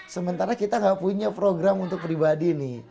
sementara kita nggak punya program untuk pribadi nih